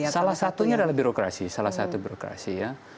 salah satunya adalah birokrasi